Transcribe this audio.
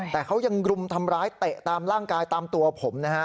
แต่เขายังรุมทำร้ายเตะตามร่างกายตามตัวผมนะฮะ